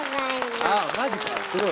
すごい。